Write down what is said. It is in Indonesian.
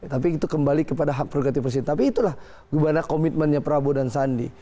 tapi itu kembali kepada hak progresif tapi itulah bagaimana komitmennya prabowo dan bang sandi